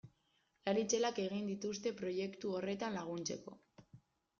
Lan itzelak egin dituzte proiektu horretan laguntzeko.